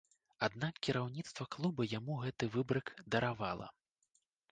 Аднак кіраўніцтва клуба яму гэты выбрык даравала.